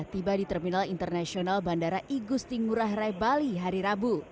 tiba di terminal internasional bandara igusti ngurah rai bali hari rabu